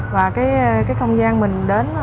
và cái không gian mình đến